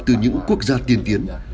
từ những quốc gia tiên tiến